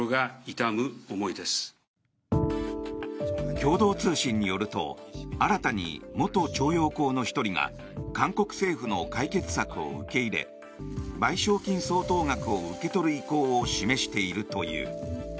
共同通信によると新たに元徴用工の１人が韓国政府の解決策を受け入れ賠償金相当額を受け取る意向を示しているという。